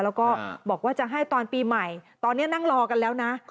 แล้วก็บอกว่าจะให้ตอนปีใหม่ตอนนี้นั่งรอกันแล้วนะ